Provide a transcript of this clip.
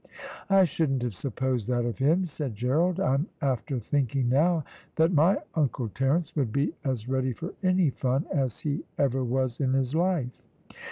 "I shouldn't have supposed that of him," said Gerald; "I'm after thinking now that my uncle Terence would be as ready for any fun as he ever was in his life."